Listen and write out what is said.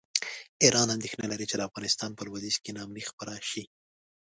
ایران اندېښنه لري چې د افغانستان په لویدیځ کې ناامني خپره شي.